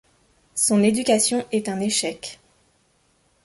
Son éducation est un échec.